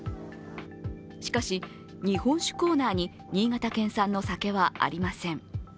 しかし、日本酒コーナーに新潟県産の酒はありません。